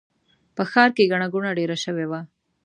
په ښار کې ګڼه ګوڼه ډېره شوې وه.